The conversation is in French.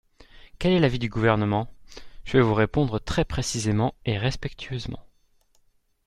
Quel est l’avis du Gouvernement ? Je vais vous répondre très précisément et respectueusement.